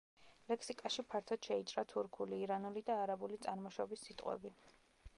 ლექსიკაში ფართოდ შეიჭრა თურქული, ირანული და არაბული წარმოშობის სიტყვები.